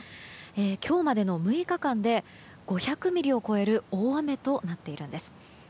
今日までの６日間で５００ミリを超える大雨となっているんです。